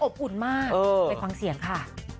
อุ่นมากไปฟังเสียงค่ะ